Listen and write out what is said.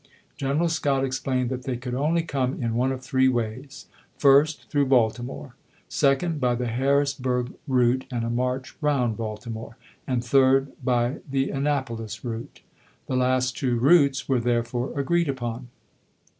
General Scott explained that they could only come in one of three ways : first, through Baltimore ; second, by the Harrisburg route and a march round Baltimore; BALTIMOKE 131 and third, by the Annapolis route. The last two chap.vi. routes were therefore agreed upon.